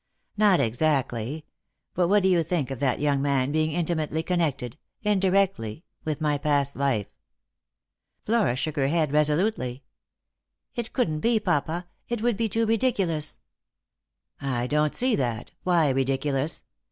" Not exactly. But what do you think of that young man being intimately connected — indirectly — with my past life ?" Flora shook her head resolutely. Lost for Love. 25 " It couldn't be, papa. It would be too ridiculous." " I don't see that. Why ridiculous